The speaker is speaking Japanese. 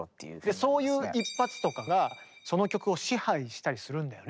そういう一発とかがその曲を支配したりするんだよね。